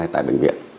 tại bệnh viện